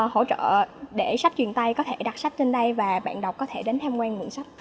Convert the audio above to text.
hỗ trợ để sách truyền tay có thể đọc sách trên đây và bạn đọc có thể đến tham quan mượn sách